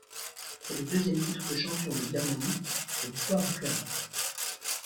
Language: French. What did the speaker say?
C'est le deuxième titre de champion de Birmanie de l'histoire du club.